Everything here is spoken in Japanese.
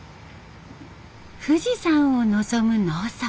富士山を望む農村。